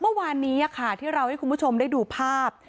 เมื่อวานนี้ที่เราให้คุณผู้ชมได้ดูภาพ